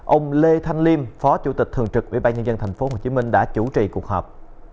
ông lê thanh liêm phó chủ tịch thường trực ủy ban nhân dân tp hcm đã chủ trì cuộc họp